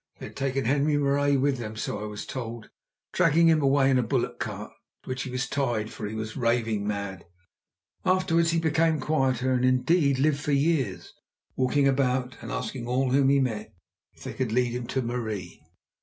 They had taken Henri Marais with them, so I was told, dragging him away in a bullock cart, to which he was tied, for he was raving mad. Afterwards he became quieter, and, indeed, lived for years, walking about and asking all whom he met if they could lead him to Marie.